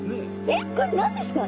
えっこれ何ですか？